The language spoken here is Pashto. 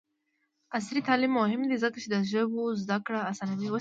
عصري تعلیم مهم دی ځکه چې د ژبو زدکړه اسانوي.